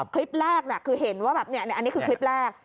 คลิปแรกคือเห็นว่าแบบอันนี้คือคลิปแรก